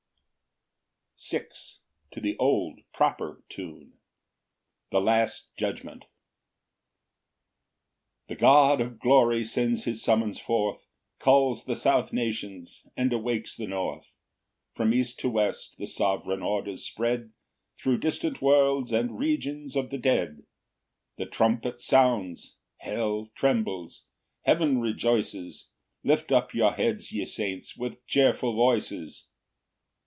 Psalm 50:6. To the old proper Tune. The last judgment. 1 The God of glory sends his summons forth, Calls the south nations, and awakes the north; From east to west the sov'reign orders spread, Thro' distant worlds, and regions of the dead: The trumpet sounds; hell trembles; heaven rejoices; Lift up your heads, ye saints, with cheerful voices.